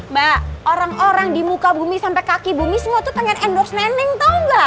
mbak orang orang di muka bumi sampai kaki bumi semua tuh pengen endorse nending tahu nggak